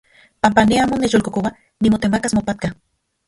Panpa ne amo nechyolkokoa nimotemakas mopatka.